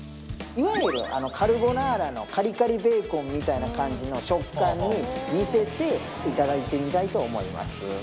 いわゆるカルボナーラのカリカリベーコンみたいな感じの食感に似せて頂いてみたいと思います。